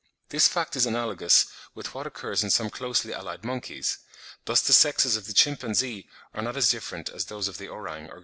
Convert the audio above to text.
This fact is analogous with what occurs with some closely allied monkeys; thus the sexes of the chimpanzee are not as different as those of the orang or gorilla.